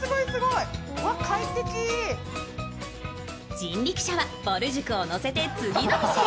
人力車はぼる塾を乗せて次の店へ。